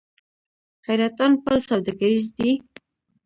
حیرتان پل سوداګریز دی؟